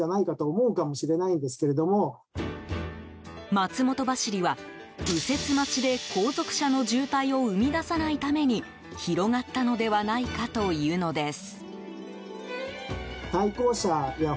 松本走りは、右折待ちで後続車の渋滞を生み出さないために広がったのではないかというのです。